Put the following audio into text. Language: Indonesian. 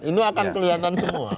ini akan kelihatan semua